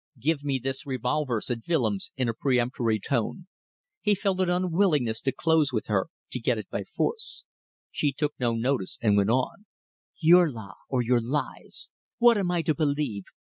"Give me this revolver," said Willems, in a peremptory tone. He felt an unwillingness to close with her, to get it by force. She took no notice and went on "Your law ... or your lies? What am I to believe?